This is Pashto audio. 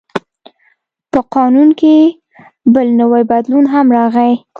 په قانون کې بل نوی بدلون هم راغی.